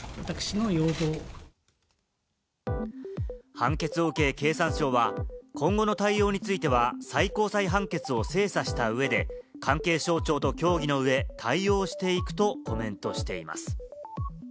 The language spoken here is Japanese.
判決を受け、経産省は今後の対応については最高裁判決を精査した上で、関係省庁と協議の上、対応していくとコメントしています。